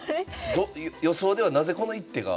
予想ではなぜこの一手が。